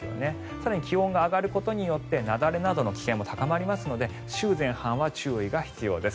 更に気温が上がることで雪崩などの危険も高まりますので週前半、注意が必要です。